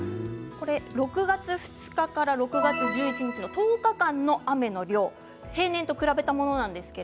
６月２日から６月１１日の１０日間の雨の量を平年と比べたものです。